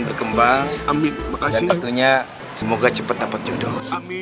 berkembang amin makasih semoga cepat dapat jodoh